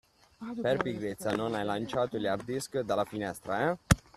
Per pigrizia non hai lanciato gli hard disk dalla finestra eh?